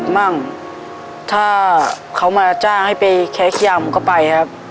มั่งถ้าเขามาจ้างให้ไปแค้ยำก็ไปครับ